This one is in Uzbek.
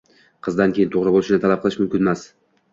Qizdan keyin toʻgʻri boʻlishni talab qilish mumkinmas